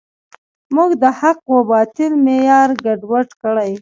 موږ د حق و باطل معیار ګډوډ کړی.